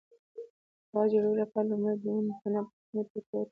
د کاغذ جوړولو لپاره لومړی د ونو تنه په کوچنیو ټوټو تبدیلوي.